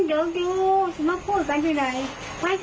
ร้อยอยู่ว่าเกือบไม่้อยู่ตายกับตายป่ะหรอ